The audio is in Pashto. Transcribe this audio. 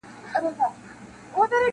که هر څه د حکمت فالونه ګورې افلاطونه! -